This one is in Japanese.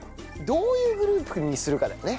どういうグループにするかだよね。